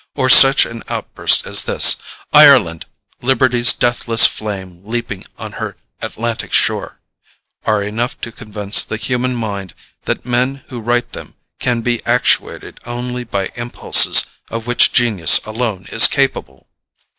or such an outburst as this: "Ireland liberty's deathless flame leaping on her Atlantic shore," are enough to convince the human mind that men who write them can be actuated only by impulses of which genius alone is capable!